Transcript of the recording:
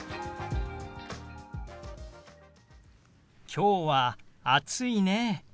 きょうは暑いね。